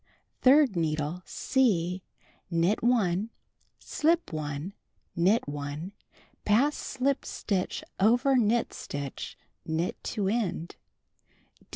3d needle — (C) Knit 1, slip 1, knit 1, pass slipped stitch over knit stitch, knit to end.